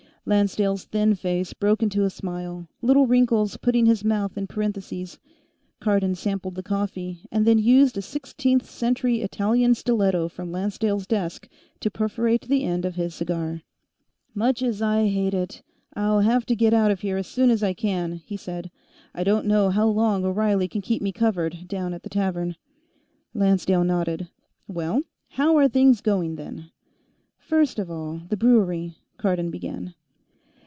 Lancedale's thin face broke into a smile, little wrinkles putting his mouth in parentheses. Cardon sampled the coffee, and then used a Sixteenth Century Italian stiletto from Lancedale's desk to perforate the end of his cigar. "Much as I hate it, I'll have to get out of here as soon as I can," he said. "I don't know how long O'Reilly can keep me covered, down at the tavern " Lancedale nodded. "Well, how are things going, then?" "First of all, the brewery," Cardon began.